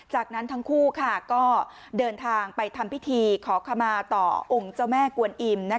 จากนั้นทั้งคู่ก็เดินทางไปทำพิธีขอขมาต่อองค์เจ้าแม่กวนอิ่ม